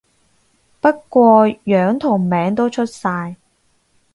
不過樣同名都出晒